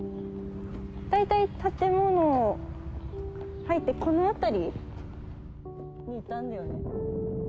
大体建物入ってこの辺りにいたんだよね。